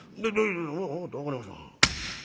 分かった分かりました」。